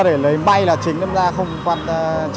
tại vì đó số cũng không đáng kể